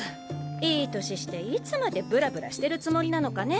いい年していつまでブラブラしてるつもりなのかね